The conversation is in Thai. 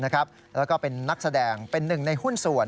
แล้วก็เป็นนักแสดงเป็นหนึ่งในหุ้นส่วน